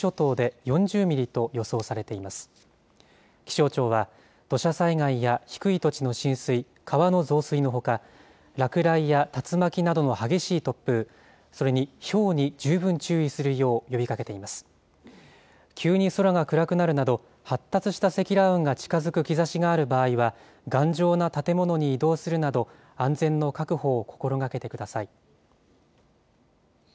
急に空が暗くなるなど、発達した積乱雲が近づく兆しがある場合は、頑丈な建物に移動するなど、安全の確保を心がけてください。